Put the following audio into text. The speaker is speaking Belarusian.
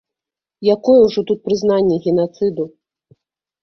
Якое ўжо тут прызнанне генацыду?!